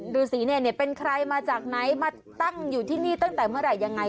ดูสิเนี่ยเป็นใครมาจากไหนมาตั้งอยู่ที่นี่ตั้งแต่เมื่อไหร่ยังไง